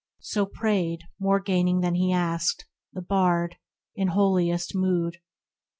" So' prayed, more gaining than he asked, the Bard— In holiest mood.